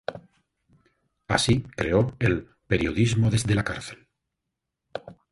Así creo el "periodismo desde la cárcel".